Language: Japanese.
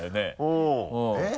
うんえっ？